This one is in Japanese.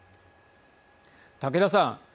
竹田さん。